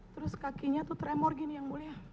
terus kakinya tuh tremor gini yang mulia